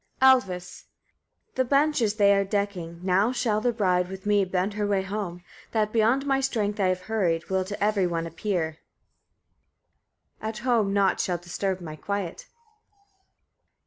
Alvis. 1. The benches they are decking, now shall the bride with me bend her way home. That beyond my strength I have hurried will to every one appear: at home naught shall disturb my quiet.